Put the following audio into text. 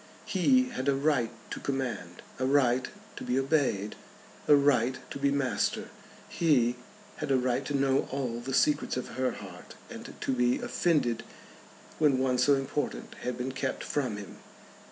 He had a right to command, a right to be obeyed, a right to be master. He had a right to know all the secrets of her heart, and to be offended when one so important had been kept from him.